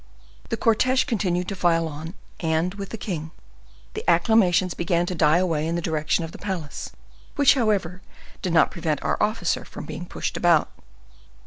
The cortege continued to file on, and, with the king, the acclamations began to die away in the direction of the palace, which, however, did not prevent our officer from being pushed about.